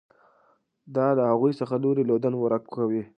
دا له هغوی څخه لوری لودن ورک کوي.